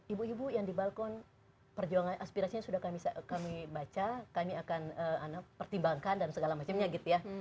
ibu ibu yang di balkon perjuangan aspirasinya sudah kami baca kami akan pertimbangkan dan segala macamnya gitu ya